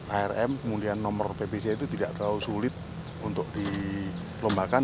arm kemudian nomor pbc itu tidak terlalu sulit untuk dilombakan